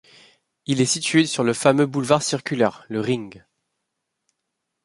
Il est situé sur le fameux boulevard circulaire, le Ring.